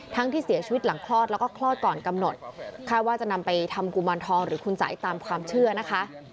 ที่เสียชีวิตหลังคลอดแล้วก็คลอดก่อนกำหนดค่าว่าจะนำไปทำกุมารทองหรือคุณสายตามความเชื่อนะคะ